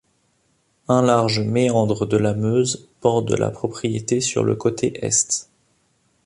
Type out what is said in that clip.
Un large méandre de la Meuse borde la propriété sur le côté Est.